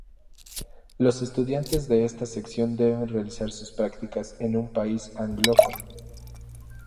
Los estudiantes de esta sección deben realizar sus prácticas en un país anglófono.